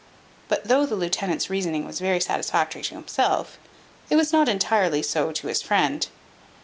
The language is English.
But though the lieutenant's reasoning was very satisfactory to himself, it was not entirely so to his friend.